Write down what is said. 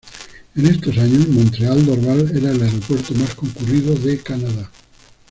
En estos años Montreal-Dorval era el aeropuerto más concurrido de Canadá.